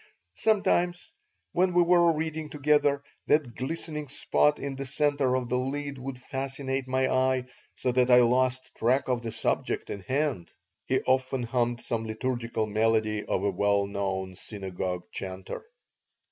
Sometimes, when we were reading together, that glistening spot in the center of the lid would fascinate my eye so that I lost track of the subject in hand He often hummed some liturgical melody of a well known synagogue chanter.